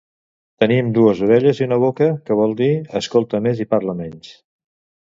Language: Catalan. Tenim dues orelles i una boca que vol dir escoltar més i parlar meyns